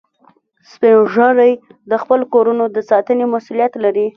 سپین ږیری د خپلو کورو د ساتنې مسؤولیت لري